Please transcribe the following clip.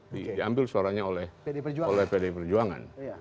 diambil suaranya oleh pdi perjuangan